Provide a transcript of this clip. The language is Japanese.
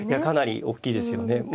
かなり大きいですよね。